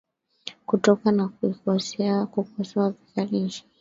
kutoka na kuikosoa vikali nchi hiyo